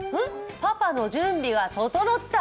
パパの準備が整った？